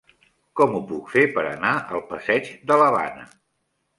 Com ho puc fer per anar al passeig de l'Havana?